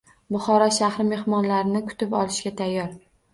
Buxoro shahri mehmonlarni kutib olishga tayyor